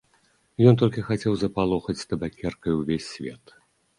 Ён толькі хацеў запалохаць табакеркай увесь свет.